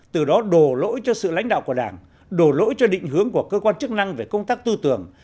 từ đó đồ lỗi cho sự lãnh đạo của đảng đổ lỗi cho định hướng của cơ quan chức năng về công tác tư tưởng